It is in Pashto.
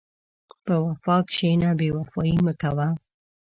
په وفا کښېنه، بېوفایي مه کوه.